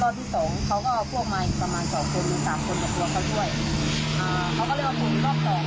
รอบที่สองเขาก็เอาพวกมาอีกประมาณสองคนหรือสามคนมากรวมกันด้วยอ่าเขาก็เลยเอาคุณรอบสอง